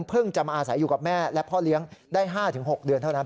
จะมาอาศัยอยู่กับแม่และพ่อเลี้ยงได้๕๖เดือนเท่านั้น